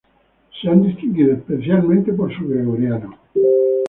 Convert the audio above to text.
Se han distinguido especialmente por su gregoriano.